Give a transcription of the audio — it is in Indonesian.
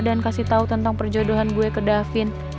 dan kasih tau tentang perjodohan gue ke david